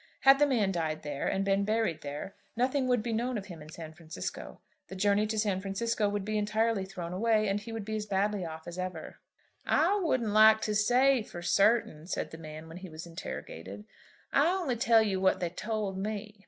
Had the man died there, and been buried there, nothing would be known of him in San Francisco. The journey to San Francisco would be entirely thrown away, and he would be as badly off as ever. "I wouldn't like to say for certain," said the man when he was interrogated. "I only tell you what they told me.